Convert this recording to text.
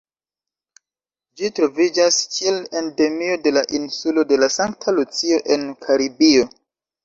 Ĝi troviĝas kiel endemio de la insulo de Sankta Lucio en Karibio.